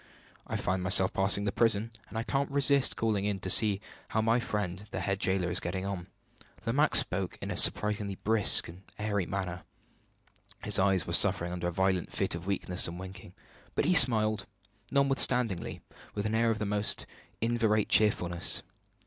I find myself passing the prison, and I can't resist calling in to see how my friend the head jailer is getting on." Lomaque spoke in a surprisingly brisk and airy manner. His eyes were suffering under a violent fit of weakness and winking; but he smiled, notwithstanding, with an air of the most inveterate cheerfulness.